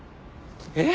えっ？